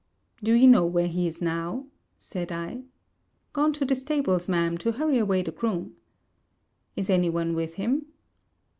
'Do you know where he is now?' said I. 'Gone to the stables, Ma'am, to hurry away the groom.' 'Is any one with him?'